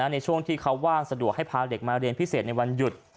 ในช่วงที่เขาว่างสะดวกให้พาเด็กมาเรียนพิเศษในวันหยุด